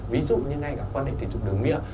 ví dụ như ngay cả quan hệ tình dục đường miệng